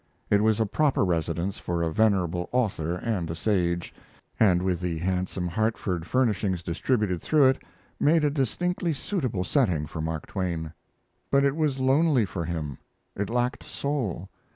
It was a proper residence for a venerable author and a sage, and with the handsome Hartford furnishings distributed through it, made a distinctly suitable setting for Mark Twain. But it was lonely for him. It lacked soul.